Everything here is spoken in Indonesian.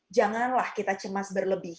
janganlah kita cemas berlebih